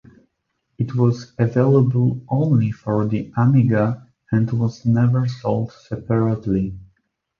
It was available only for the Amiga and was never sold separately.